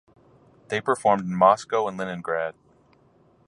They performed in Moscow and Leningrad.